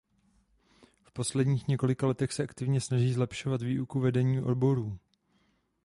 V posledních několika letech se aktivně snaží zlepšovat výuku vědních oborů.